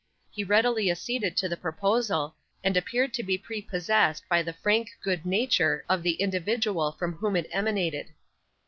He readily acceded to the proposal, and appeared to be prepossessed by the frank good nature of the individual from whom it emanated.